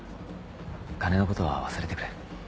金の事は忘れてくれ。